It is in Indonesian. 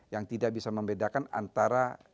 yang tidak bisa membedakan antara